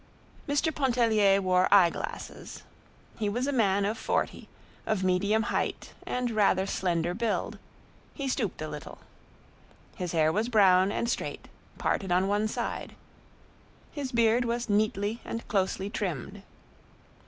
Mr. Pontellier wore eye glasses. He was a man of forty, of medium height and rather slender build; he stooped a little. His hair was brown and straight, parted on one side. His beard was neatly and closely trimmed.